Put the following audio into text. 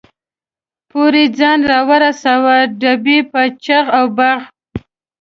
پورې ځان را ورساوه، ډبې په چغ او بغ.